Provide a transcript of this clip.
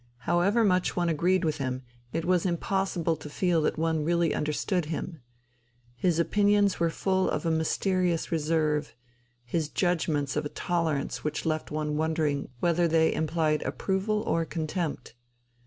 However much one agreed with him, it was impossible to feel that one really understood him. His opinions were full of a mysterious reserve, his judgments of a tolerance which left one wondering whether they implied approval or contempt.